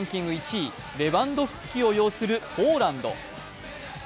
１位レバンドフスキを擁するポーランド。